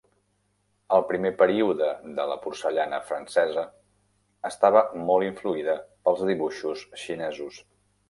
El primer període de la porcellana francesa estava molt influïda pels dibuixos xinesos.